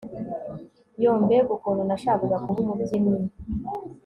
yoo mbega ukuntu nashakaga kuba umubyinnyi